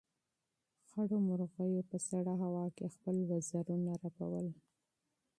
خړو مرغیو په سړه هوا کې خپل وزرونه رپول.